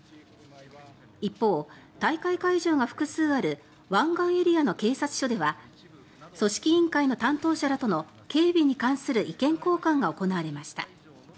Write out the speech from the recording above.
一方、大会会場が複数ある湾岸エリアの警察署では組織委員会の担当者らとの警備に関する意見交換が行われました。